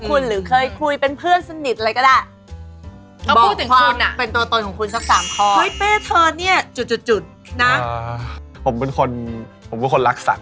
ข้อหนึ่งคือแป๊คุณเป็นคนรักสัตว์